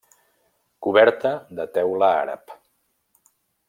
Coberta de teula àrab.